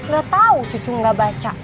gak tahu cucu gak baca